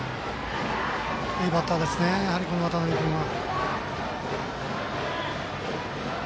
いいバッターですね渡邊君は。